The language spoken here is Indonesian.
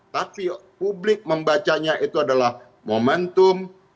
tapi publik membacanya itu adalah momentum